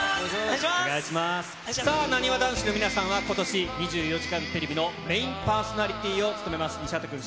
なにわ男子の皆さんは、ことし、２４時間テレビのメインパーソナリティーを務めます。